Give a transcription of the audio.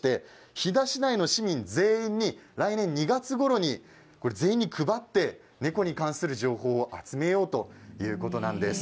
飛騨市内の市民全員に来年２月ごろに配って猫に関する情報を集めようということなんです。